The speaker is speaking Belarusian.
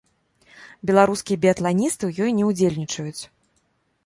Беларускія біятланісты ў ёй не ўдзельнічаюць.